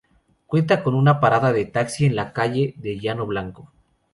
Cuenta con una parada de taxi en la calle de Llano Blanco.